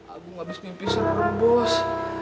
agung abis mimpi seram bos